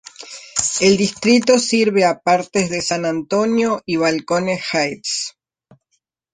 El distrito sirve a partes de San Antonio y Balcones Heights.